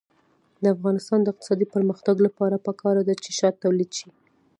د افغانستان د اقتصادي پرمختګ لپاره پکار ده چې شات تولید شي.